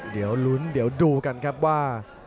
เดี๋ยวลุ้นเดี๋ยวดูกันครับว่า